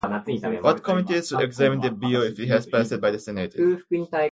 What committees examine the bill if it is passed by the Senate?